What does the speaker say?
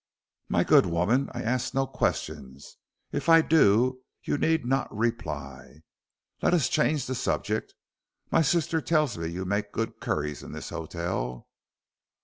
"My good woman, I ask no questions. If I do, you need not reply. Let us change the subject. My sister tells me you make good curries in this hotel."